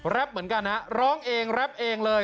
เหมือนกันฮะร้องเองแรปเองเลย